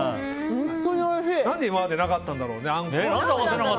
何で今までなかったんだろうね。